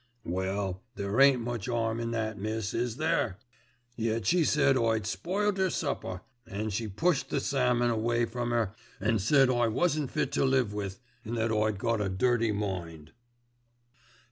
Well, there ain't much 'arm in that miss, is there? Yet she said I'd spoilt 'er supper, an' she pushed the salmon away from 'er an' said I wasn't fit to live with, an' that I'd got a dirty mind."